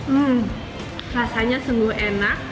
hmm rasanya sungguh enak